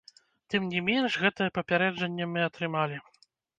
Тым не менш, гэтае папярэджанне мы атрымалі.